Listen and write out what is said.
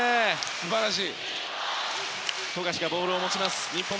素晴らしい！